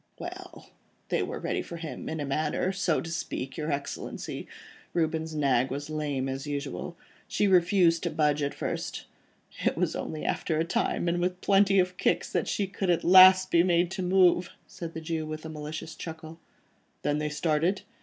"Well! they were ready in a manner, so to speak, your Excellency. Reuben's nag was lame as usual; she refused to budge at first. It was only after a time and with plenty of kicks, that she at last could be made to move," said the Jew with a malicious chuckle. "Then they started?"